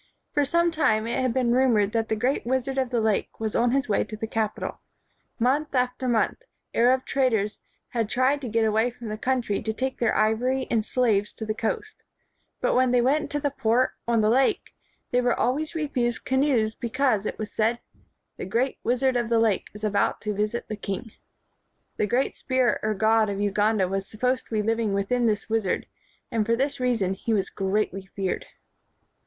For some time it had been rumored that the great wizard of the lake was on his way to the capital. Month after month, Arab traders had tried to get away from the coun try to take their ivory and slaves to the coast; but, when they went to the £>ort ou 111 WHITE MAN OF WORK the lake, they were always refused canoes because, it was said, "The great wizard of the Lake is about to visit the king." The great spirit or god of Uganda was supposed to be living within this wizard, and for this reason he was greatly feared.